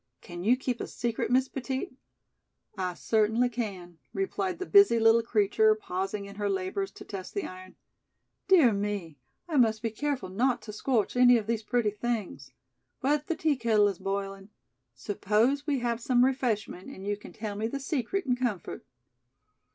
Can you keep a secret, Miss Petit?" "I certainly can," replied the busy little creature, pausing in her labors to test the iron. "Dear me, I must be careful not to scorch any of these pretty things. But the tea kettle is boiling. Suppose we have some refreshment and you can tell me the secret in comfort."